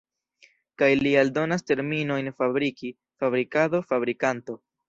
Kaj li aldonas terminojn fabriki, fabrikado, fabrikanto.